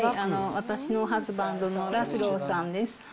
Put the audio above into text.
私のハズバンドのラースローです。